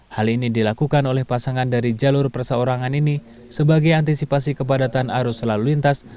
hal ini dilakukan oleh pasangan dari jalur perseorangan ini sebagai antisipasi kepadatan arus lalu lintas